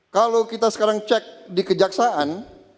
kalau kita sekarang cek di kejaksaan